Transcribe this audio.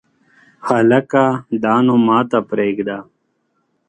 هلکه دا نو ماته پرېږده !